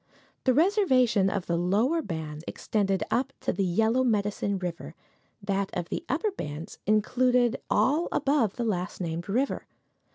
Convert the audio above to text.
The reservation of the lower bands extended up to the Yellow Medicine river; that of the upper bands included all above the last named river.